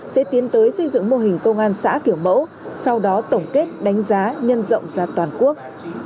sẽ tiến tới xây dựng mô hình công an xã kiểu mẫu sau đó tổng kết đánh giá nhân rộng ra toàn quốc